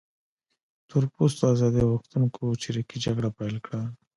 تور پوستو ازادي غوښتونکو چریکي جګړه پیل کړه.